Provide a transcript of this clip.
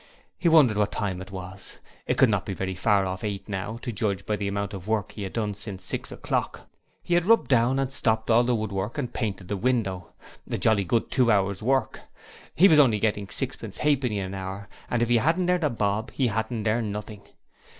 He wondered what time it was? It could not be very far off eight now, to judge by the amount of work he had done since six o'clock. He had rubbed down and stopped all the woodwork and painted the window. A jolly good two hours' work! He was only getting sixpence halfpenny an hour and if he hadn't earned a bob he hadn't earned nothing!